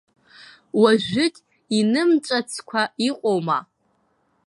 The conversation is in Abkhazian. Уажәыгь инымҵәацкәа иҟоума?